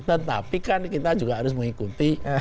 tetapi kan kita juga harus mengikuti